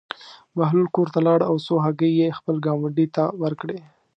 بهلول کور ته لاړ او څو هګۍ یې خپل ګاونډي ته ورکړې.